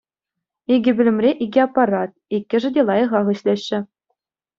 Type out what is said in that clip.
Икӗ пӳлӗмре икӗ аппарат, иккӗшӗ те лайӑхах ӗҫлеҫҫӗ.